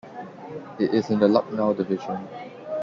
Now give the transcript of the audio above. It is in the Lucknow Division.